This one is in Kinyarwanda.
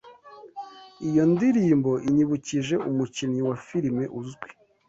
Iyo ndirimbo inyibukije umukinnyi wa firime uzwi.